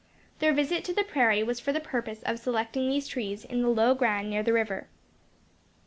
Their visit to the prairie was for the purpose of selecting these trees, in the low ground near the river.